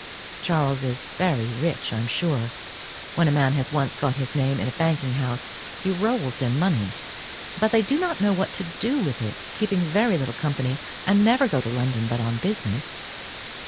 Charles is very rich I am sure; when a man has once got his name in a banking house he rolls in money; but they do not know what to do with it, keep very little company, and never go to London but on business.